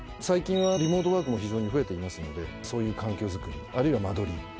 最近はリモートワークも非常に増えていますのでそういう環境づくりあるいは間取り